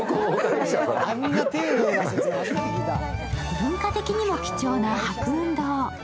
文化的にも貴重な白雲洞。